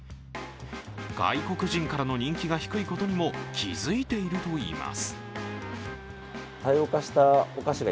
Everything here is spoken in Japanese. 外国人からの人気が低いことにも気づいているといいます。